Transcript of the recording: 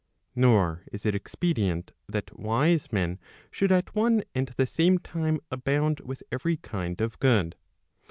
Nor is it expedient that wise men should at one and the same time abound with every kind of good.